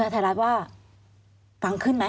มันจอดอย่างง่ายอย่างง่าย